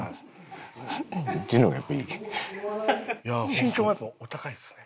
身長もやっぱお高いですね。